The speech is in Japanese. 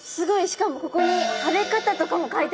しかもここに食べ方とかも書いてありますね。